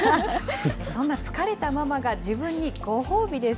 そんな疲れたママが自分にご褒美です。